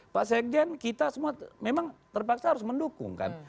pak sekjen kita semua memang terpaksa harus mendukung kan